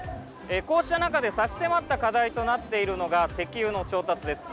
こうした中で差し迫った課題となっているのが石油の調達です。